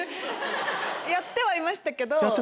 やってはいましたけど。